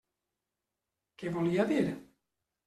Què volia dir?